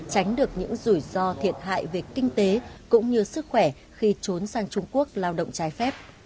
tránh được những rủi ro thiệt hại về kinh tế cũng như sức khỏe khi trốn sang trung quốc lao động trái phép